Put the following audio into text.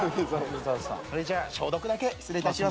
それじゃあ消毒だけ失礼いたします。